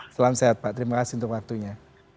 salam sehat pak terima kasih untuk waktunya